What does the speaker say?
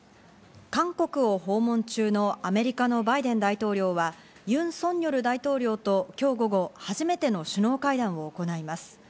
韓国を訪問中のアメリカのバイデン大統領は、ユン・ソンニョル大統領と今日、午後、初めての首脳会談を行います。